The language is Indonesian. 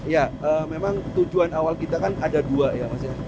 ya memang tujuan awal kita kan ada dua ya mas ya